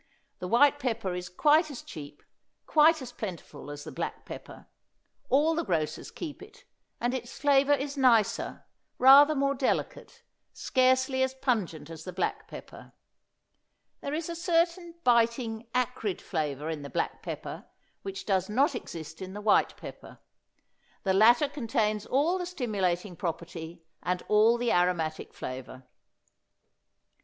The white pepper is quite as cheap, quite as plentiful as the black pepper; all the grocers keep it, and its flavor is nicer, rather more delicate, scarcely as pungent as the black pepper; there is a certain biting, acrid flavor in the black pepper which does not exist in the white pepper; the latter contains all the stimulating property and all the aromatic flavor.